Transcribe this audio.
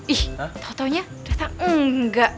ih tau taunya datang enggak